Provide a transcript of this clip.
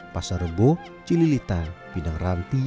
pasar reboh cililitan bidang ranti